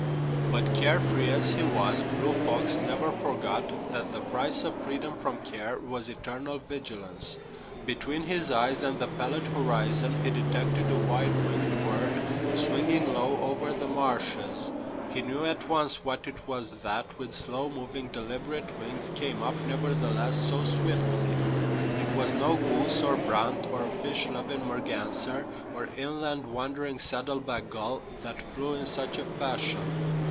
But care free as he was, Blue Fox never forgot that the price of freedom from care was eternal vigilance. Between his eyes and the pallid horizon he detected a wide winged bird swinging low over the marshes. He knew at once what it was that with slow moving, deliberate wings came up, nevertheless, so swiftly. It was no goose, or brant, or fish loving merganser, or inland wandering saddleback gull that flew in such a fashion.